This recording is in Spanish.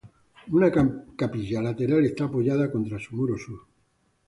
Una capilla lateral está apoyada contra su muro sur.